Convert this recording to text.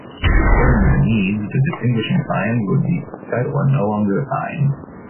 According to the needs, the distinguishing signs would be set or no longer assigned.